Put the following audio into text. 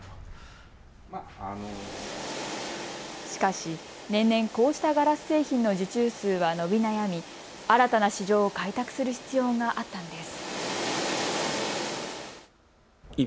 しかし年々こうしたガラス製品の受注数は伸び悩み新たな市場を開拓する必要があったんです。